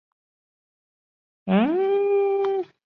这两个音本质上行使导音的功能。